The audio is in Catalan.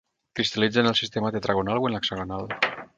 Cristal·litza en el sistema tetragonal o en l'hexagonal.